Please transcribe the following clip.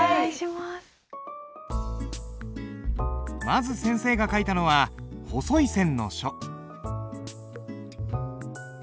まず先生が書いたのは細い線の書。